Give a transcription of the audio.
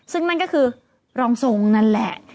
ซึ่งนั่นก็คือรองทรงนั่นแหละ